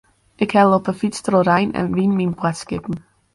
Ik helle op 'e fyts troch rein en wyn myn boadskippen.